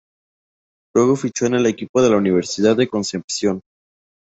Luego fichó en el equipo de la Universidad de Concepción.